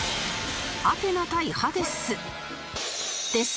アテナ対ハデス